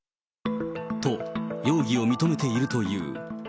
と、容疑を認めているという。